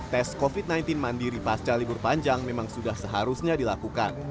tes covid sembilan belas mandiri pasca libur panjang memang sudah seharusnya dilakukan